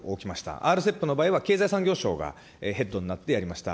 ＲＣＥＰの場合は、経済産業省がヘッドになってやりました。